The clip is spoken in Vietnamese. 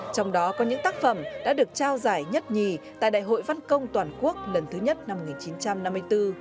trong đó có những tác phẩm đã được trao giải nhất nhì tại đại hội văn công toàn quốc lần thứ nhất năm một nghìn chín trăm năm mươi bốn